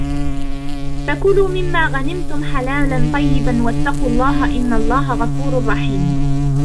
فكلوا مما غنمتم حلالا طيبا واتقوا الله إن الله غفور رحيم